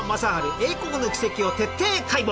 栄光の軌跡を徹底解剖！